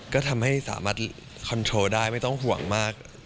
ก็ทำให้สามารถคอนโทรได้ไม่ต้องห่วงมาก